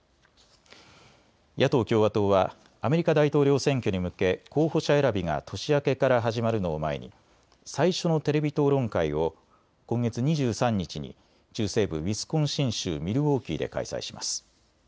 野党・共和党はアメリカ大統領選挙に向け候補者選びが年明けから始まるのを前に最初のテレビ討論会を今月２３日に中西部ウィスコンシン州ミルウォーキーで開催します。